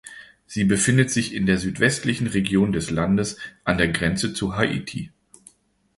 Sie befindet sich in der südwestlichen Region des Landes an der Grenze zu Haiti.